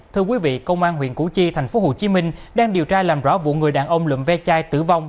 thưa quý vị công an huyện củ chi tp hcm đang điều tra làm rõ vụ người đàn ông lụm ve chai tử vong